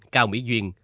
cao mỹ duyên